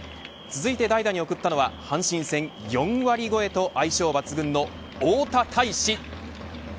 続いて代打に送ったの阪神戦４割越えと相性抜群の大田泰示。